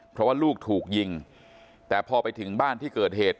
เพราะว่าลูกถูกยิงแต่พอไปถึงบ้านที่เกิดเหตุ